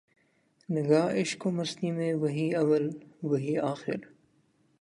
نگاہ عشق و مستی میں وہی اول وہی آخر